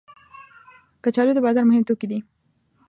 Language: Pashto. کچالو د بازار مهم توکي دي